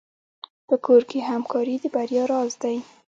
په کور کې همکاري د بریا راز دی.